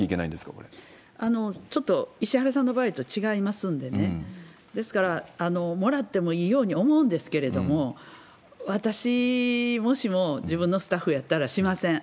こちょっと、石原さんの場合と違いますんでね、ですから、もらってもいいように思うんですけれども、私、もしも自分のスタッフやったらしません。